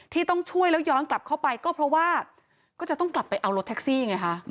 ที่ต้องช่วยแล้วย้อนกลับเข้าไปก็เพราะว่าก็จะต้องกลับไปเอารถแท็กซี่ไงคะ